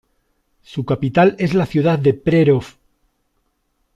Su capital es la ciudad de Přerov.